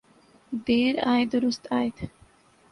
دیر آید درست آید۔